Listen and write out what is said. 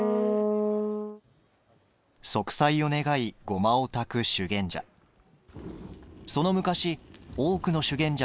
息災を願い、護摩をたく修験者。